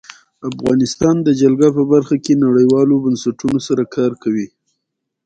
افغانستان د جلګه په برخه کې نړیوالو بنسټونو سره کار کوي.